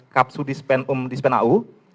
kapsu dispenum dispenau